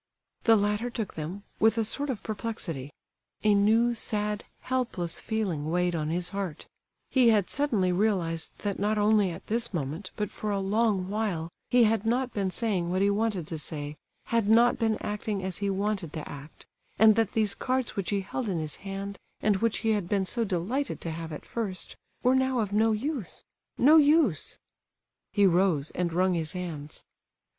The latter took them, with a sort of perplexity. A new, sad, helpless feeling weighed on his heart; he had suddenly realized that not only at this moment, but for a long while, he had not been saying what he wanted to say, had not been acting as he wanted to act; and that these cards which he held in his hand, and which he had been so delighted to have at first, were now of no use—no use... He rose, and wrung his hands.